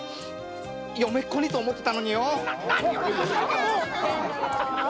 嫁っ子にと思ってたのによ。